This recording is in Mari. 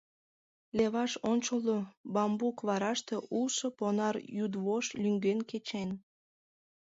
Леваш ончылно бамбук вараште улшо понар йӱдвошт лӱҥген кечен.